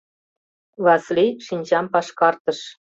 — Васлий шинчам пашкартыш.